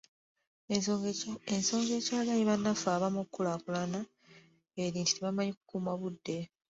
Ensonga ekyagaanyi bannaffe abamu okukulaakulana eri nti tebamanyi kukuuma budde.